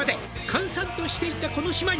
「閑散としていたこの島に」